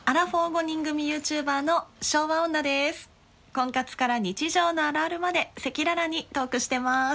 婚活から日常のあるあるまで赤裸々にトークしてます。